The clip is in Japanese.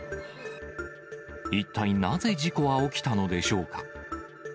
一体なぜ事故は起きたのでしょうか。